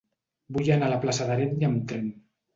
Vull anar a la plaça d'Herenni amb tren.